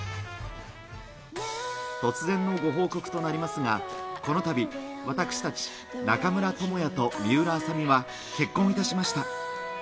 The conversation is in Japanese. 突然のご報告となりますが、このたび、私たち、中村倫也と水卜麻美は結婚いたしました。